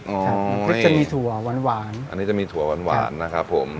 ครุฑจะมีถั่วหวานหวานอันนี้จะมีถั่วหวานหวานนะครับผม